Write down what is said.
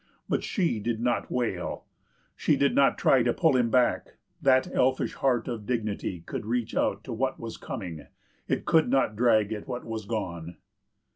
But she did not wail. She did not try to pull him back; that elfish heart of dignity could reach out to what was coming, it could not drag at what was gone.